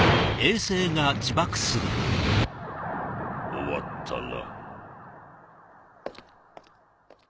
終わったな。